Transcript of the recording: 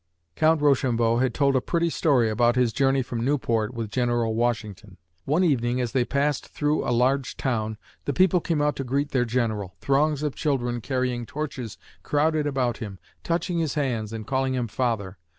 Count Rochambeau had told a pretty story about his journey from Newport with General Washington. One evening, as they passed through a large town, the people came out to greet their General. Throngs of children carrying torches crowded about him, touching his hands and calling him "Father."